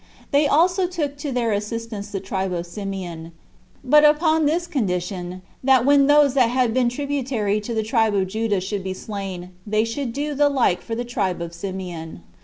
They also took to their assistance the tribe of Simeon; but upon this condition, that when those that had been tributary to the tribe of Judah should be slain, they should do the like for the tribe of Simeon.